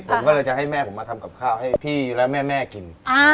ผมก็เลยจะให้แม่ผมมาทำกับข้าวให้พี่และแม่กิน